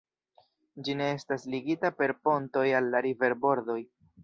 Ĝi ne estas ligita per pontoj al la riverbordoj.